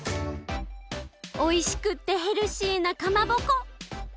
おいしくってヘルシーなかまぼこ！